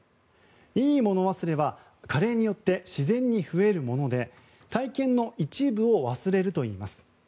いいもの忘れは加齢によって自然に増えるもので体験の一部を忘れるといいます。